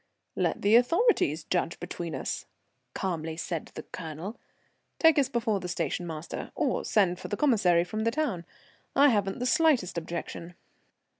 "Let the authorities judge between us," calmly said the Colonel. "Take us before the station master, or send for the Commissary from the town. I haven't the slightest objection."